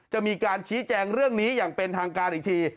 จะมีการชี้แจงเรื่องนี้อย่างเป็นทางการอีกที